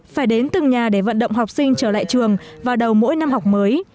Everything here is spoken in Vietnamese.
phải đến từng nhà để vận động học sinh trở lại trường vào đầu mỗi năm học mới